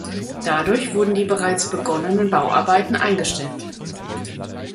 Dadurch wurden die bereits begonnenen Bauarbeiten eingestellt.